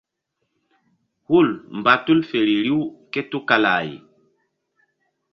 Hul mba tul feri riw ké tukala ay.